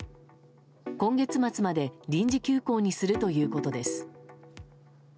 今月末まで臨時休校にするということです。